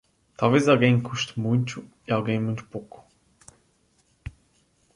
Talvez alguém custa muito e alguém muito pouco.